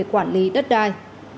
quản lý đất đai